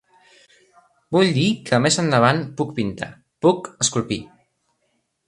Vull dir que més endavant puc pintar, puc esculpir.